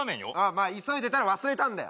まあ急いでたら忘れたんだよ